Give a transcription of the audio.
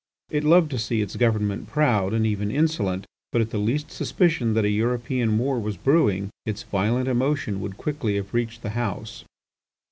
It loved to see its government proud and even insolent, but at the least suspicion that a European war was brewing, its violent emotion would quickly have reached the House.